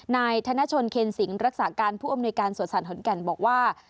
นายธนชนเคนสิงรักษาการผู้อำนวยการสวนสัตว์ขอนแก่นบอกว่า